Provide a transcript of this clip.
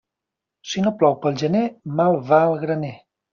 Si no plou pel gener, mal va el graner.